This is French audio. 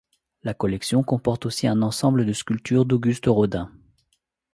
La collection comporte aussi un ensemble de sculptures d'Auguste Rodin.